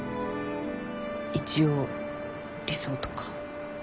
一応理想とか」。